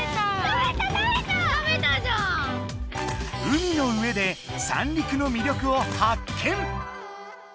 海の上で三陸の魅力を発見！